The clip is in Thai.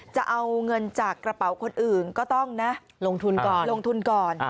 จะเอาเงินจากกระเป๋าคนอื่นก็ต้องนะลงทุนก่อนลงทุนก่อน